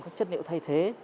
các chất liệu thay thế